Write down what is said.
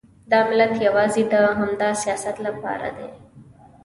دا ملت یوازې د همدا سیاست لپاره دی.